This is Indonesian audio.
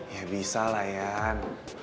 ya bisa lah yan